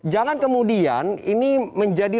jangan kemudian ini menjadi